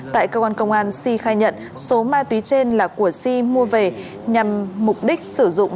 tại cơ quan công an si khai nhận số ma túy trên là của si mua về nhằm mục đích sử dụng